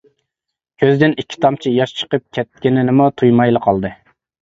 كۆزىدىن ئىككى تامچە ياش چىقىپ كەتكىنىنىمۇ تۇيمايلا قالدى.